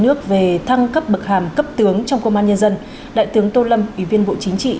nước về thăng cấp bậc hàm cấp tướng trong công an nhân dân đại tướng tô lâm ủy viên bộ chính trị